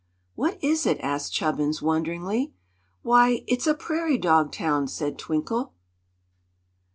"What is it?" asked Chubbins, wonderingly. "Why, it's a Prairie Dog Town," said Twinkle.